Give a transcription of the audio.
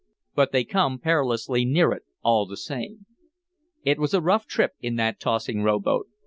But they come perilously near it all the same. It was a rough trip in that tossing rowboat.